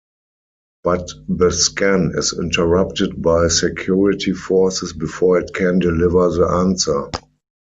But the scan is interrupted by security forces before it can deliver the answer.